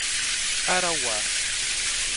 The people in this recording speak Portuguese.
Arauá